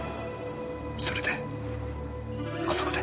それであそこで。